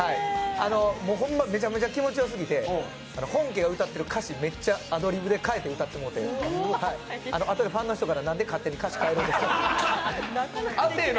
ほんま、めちゃめちゃ気持ちよすぎて本家が歌ってる歌詞めっちゃアドリブで変えて歌ってもうて、あとでファンの人から、なんで勝手に歌詞変えるんや言われて。